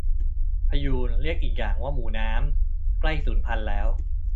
พะยูน เรียกอีกอย่างว่าหมูน้ำ ใกล้สูญพันธุ์แล้ว